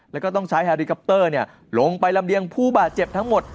แล้วก็ต้องใช้แฮริคอปเตอร์ลงไปลำเลียงผู้บาดเจ็บทั้งหมด